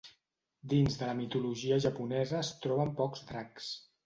Dins de la mitologia japonesa es troben pocs dracs.